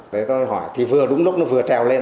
đấy tôi hỏi thì vừa đúng lúc nó vừa trèo lên